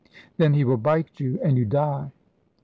Then he will bite you, and you die.